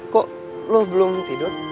kok lo belum tidur